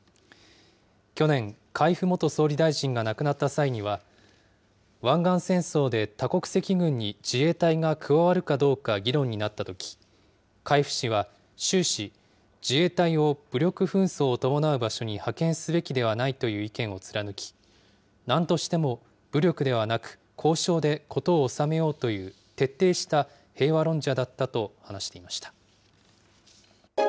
去年、海部元総理大臣が亡くなった際には、湾岸戦争で多国籍軍に自衛隊が加わるかどうか議論になったとき、海部氏は終始、自衛隊を武力紛争を伴う場所に派遣すべきではないという意見を貫き、なんとしても武力ではなく、交渉で事を収めようという徹底した平和論者だったと話していました。